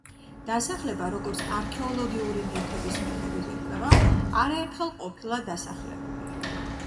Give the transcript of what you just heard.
დასახლება, როგორც არქეოლოგიური ნივთების მიხედვით ირკვევა, არაერთხელ ყოფილა დასახლებული.